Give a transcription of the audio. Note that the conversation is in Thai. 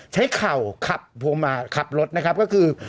ใช้เข่าขับรถนะครับก็คือ